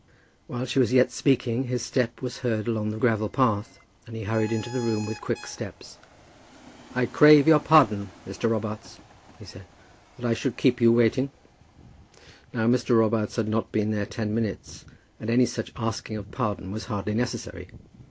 While she was yet speaking his step was heard along the gravel path, and he hurried into the room with quick steps. "I crave your pardon, Mr. Robarts," he said, "that I should keep you waiting." Now Mr. Robarts had not been there ten minutes, and any such asking of pardon was hardly necessary.